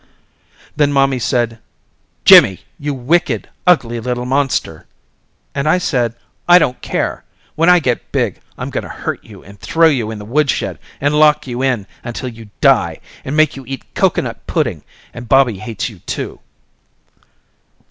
Then mommy said Jimmy! You wicked, ugly little monster, and I said I don't care, when I get big I'm going to hurt you and throw you in the wood shed and lock you in until you die and make you eat coconut pudding and Bobby hates you too.